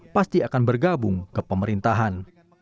pasti akan bergabung ke pemerintahan